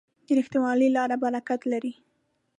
د رښتینولۍ لار برکت لري.